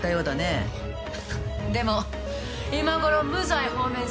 でも今頃無罪放免さ。